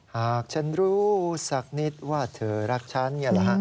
หากฉันรู้สักนิดว่าเธอรักฉัน